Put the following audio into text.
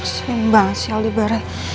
sembang si aldi bareng